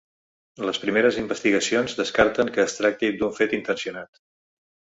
Les primeres investigacions descarten que es tracti d'un fet intencionat.